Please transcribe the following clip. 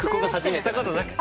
したことなくて。